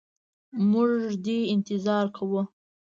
موږ دي انتظار کوو.